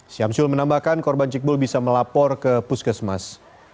syamsul menambahkan korban cikbul bisa melapor ke puskesmas